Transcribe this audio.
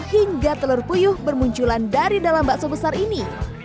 hingga telur puyuh bermunculan dari dalam bakso besar ini